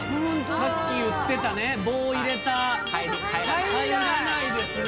さっき言ってたね棒を入れた入らないですね。